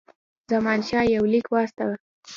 زمانشاه یو لیک واستاوه.